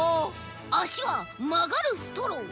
あしはまがるストロー。